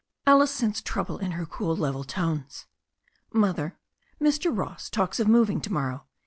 Alice sensed trouble in her cool level tones. "Mother, Mr. Ross talks of moving to morrow.